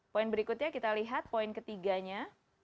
poin berikutnya kita lihat poin ketiganya